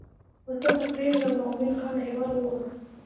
اوس دلته پرېږده او د مومن خان احوال وګوره.